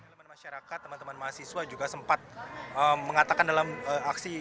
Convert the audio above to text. elemen masyarakat teman teman mahasiswa juga sempat mengatakan dalam aksi